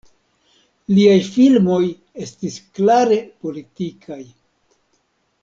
Liaj filmoj estis klare politikaj.